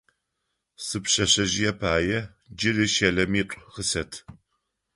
Сипшъэшъэжъые пае джыри щэлэмитӏу къысэт.